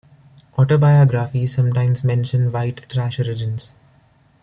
Autobiographies sometimes mention white trash origins.